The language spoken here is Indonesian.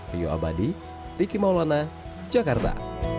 rio abadi riki maulana jakarta